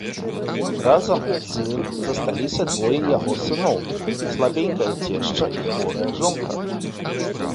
Разам з ім засталіся двое яго сыноў, слабенькая цешча і хворая жонка.